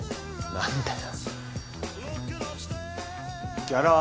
何でだよ！